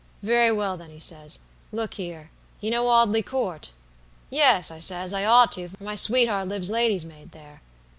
'Very well, then,' he says; 'look here; you know Audley Court?' 'Yes,' I says, 'I ought to, for my sweetheart lives lady's maid there.'